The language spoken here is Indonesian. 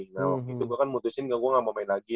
nah waktu itu gue kan mutusin gak gue gak mau main lagi